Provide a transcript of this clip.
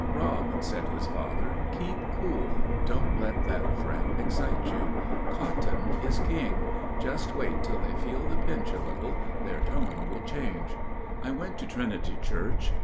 "Rob," said his father, "keep cool; don't let that threat excite you. Cotton is king. Just wait till they feel the pinch a little; their tone will change." I went to Trinity Church.